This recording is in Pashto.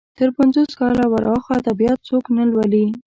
تر پنځوس کاله ور اخوا ادبيات څوک نه لولي.